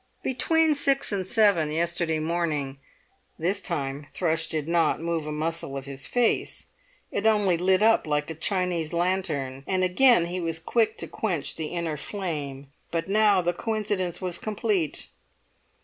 "Between six and seven yesterday morning." This time Thrush did not move a muscle of his face; it only lit up like a Chinese lantern, and again he was quick to quench the inner flame; but now the coincidence was complete.